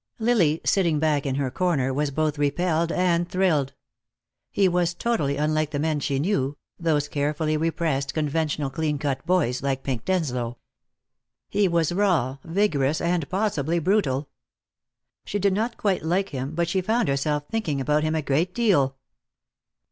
Lily, sitting back in her corner, was both repelled and thrilled. He was totally unlike the men she knew, those carefully repressed, conventional clean cut boys, like Pink Denslow. He was raw, vigorous and possibly brutal. She did not quite like him, but she found herself thinking about him a great deal.